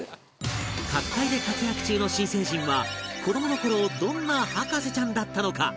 各界で活躍中の新成人は子どもの頃どんな博士ちゃんだったのか？